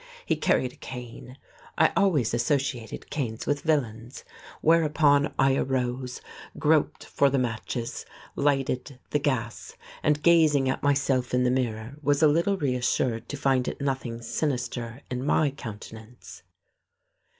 He carried a cane. I always associated canes with villains. Whereupon I arose, groped for the matches, lighted the gas, and gazing at myself in the mirror was a little reassured to find nothing sinister in my countenance....